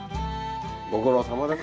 ご苦労さまです